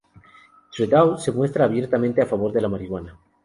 Trudeau se muestra abiertamente a favor de la marihuana.